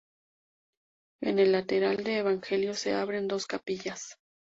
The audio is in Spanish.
En el lateral del Evangelio se abren dos capillas.